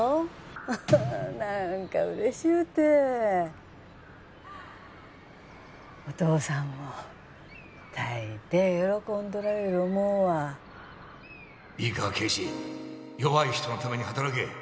ああ何か嬉しゅうてお父さんもたいてい喜んどられる思うわいいか啓示弱い人のために働け